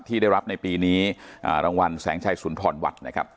ที่ได้รับในปีนี้รางวัลแสงชัยสุนทรวัดนะครับ